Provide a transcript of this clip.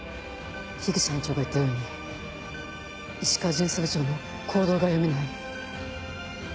口班長が言ったように石川巡査部長の行動が読めない。